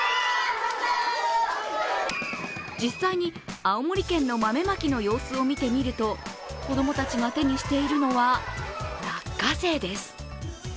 実際に青森県の豆まきの様子を見てみると子供たちが手にしているのは落花生です。